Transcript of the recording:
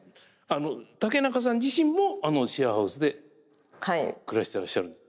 あの竹中さん自身もシェアハウスで暮らしてらっしゃる？